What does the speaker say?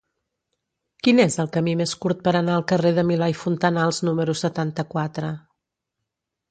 Quin és el camí més curt per anar al carrer de Milà i Fontanals número setanta-quatre?